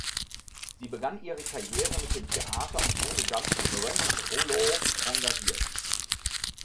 Sie begann ihre Karriere mit dem Theater und wurde dann von Raymond Rouleau engagiert.